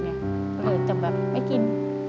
ก็เลยจะแบบไม่กิน